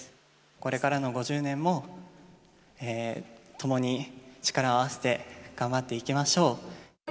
これからの５０年も、共に力を合わせて頑張っていきましょう。